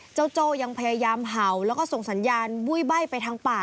โจ้ยังพยายามเห่าแล้วก็ส่งสัญญาณบุ้ยใบ้ไปทางป่า